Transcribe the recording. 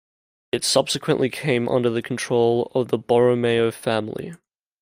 It subsequently came under the control of the Borromeo family.